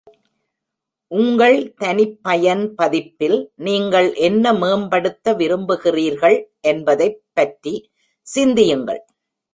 உங்கள் தனிப்பயன் பதிப்பில் நீங்கள் என்ன மேம்படுத்த விரும்புகிறீர்கள் என்பதைப் பற்றி சிந்தியுங்கள்.